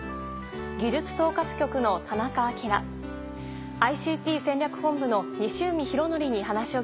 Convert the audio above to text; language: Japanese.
技術統括局の田中陽ＩＣＴ戦略本部の西海弘規に話を聞きます。